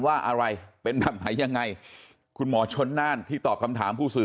ว่าอะไรเป็นแบบไหนยังไงคุณหมอชนน่านที่ตอบคำถามผู้สื่อ